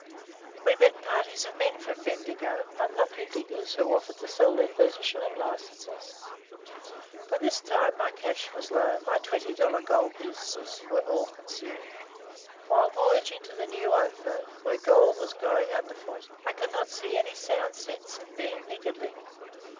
We met parties of men from Bendigo unlucky diggers, who offered to sell their thirty shilling licenses. By this time my cash was low; my twenty dollar gold pieces were all consumed. While voyaging to the new Ophir, where gold was growing underfoot, I could not see any sound sense in being niggardly.